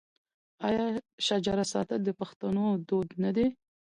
آیا شجره ساتل د پښتنو دود نه دی؟